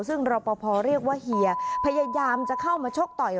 ซึ่งรอปภเรียกว่าเฮียพยายามจะเข้ามาชกต่อย